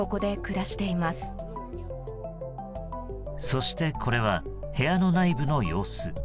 そしてこれは部屋の内部の様子。